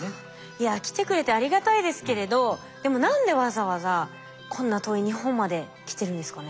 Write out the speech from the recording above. いや来てくれてありがたいですけれどでも何でわざわざこんな遠い日本まで来てるんですかね？